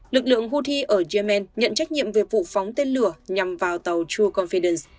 lực lượng houthi ở yemen nhận trách nhiệm về vụ phóng tên lửa nhằm vào tàu true confidence